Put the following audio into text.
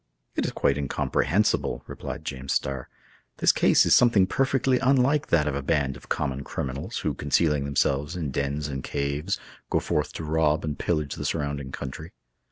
"It is quite incomprehensible," replied James Starr. "This case is something perfectly unlike that of a band of common criminals, who, concealing themselves in dens and caves, go forth to rob and pillage the surrounding country.